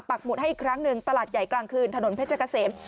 หุดให้อีกครั้งหนึ่งตลาดใหญ่กลางคืนถนนเพชรเกษม